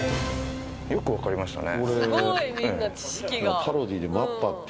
よく分かりましたね